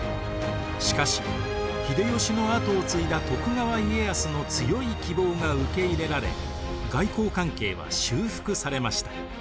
しかし秀吉の跡を継いだ徳川家康の強い希望が受け入れられ外交関係は修復されました。